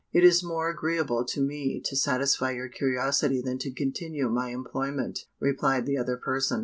"It is more agreeable to me to satisfy your curiosity than to continue my employment," replied the other person.